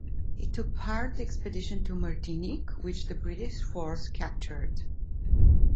It took part the expedition to Martinique, which the British force captured.